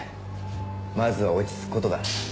まずは落ち着く事だ。